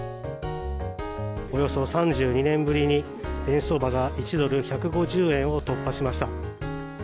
およそ３２年ぶりに円相場が１ドル＝１５０円を突破しました。